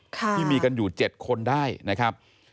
ที่มีกันอยู่๗คนได้นะครับ